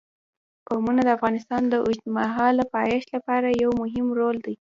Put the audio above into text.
قومونه د افغانستان د اوږدمهاله پایښت لپاره یو مهم رول لري.